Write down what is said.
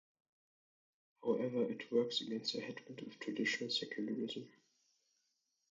However it works against a headwind of traditional secularism.